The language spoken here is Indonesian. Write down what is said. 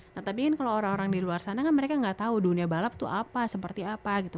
nah tapi kalau orang orang di luar sana kan mereka gak tahu dunia balap itu apa seperti apa gitu